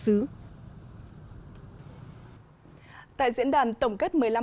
tại diễn đàn tổng kết một mươi năm năm hợp tác xã kiểu mới là đoàn kết tập thể không phải là mạnh ai nấy làm